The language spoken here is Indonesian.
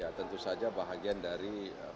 ya tentu saja bahagian dari